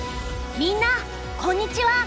みんなこんにちは。